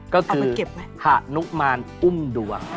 ก็คือหานุมานอุ้มดวง